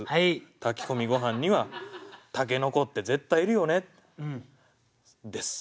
炊き込みごはんには筍って絶対いるよね。です。